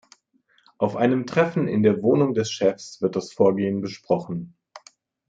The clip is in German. Auf einem Treffen in der Wohnung des Chefs wird das Vorgehen besprochen.